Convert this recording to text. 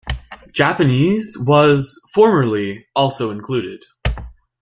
Japanese was formerly also included.